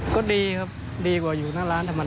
ก็ดีครับดีกว่าอยู่หน้าร้านธรรมดา